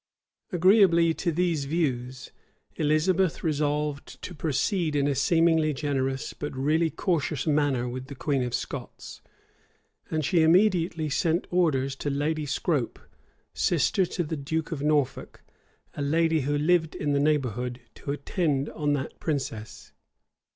Agreeably to these views, Elizabeth resolved to proceed in a seemingly generous, but really cautious manner with the queen of Scots; and she immediately sent orders to Lady Scrope, sister to the duke of Norfolk, a lady who lived in the neighborhood, to attend on that princess.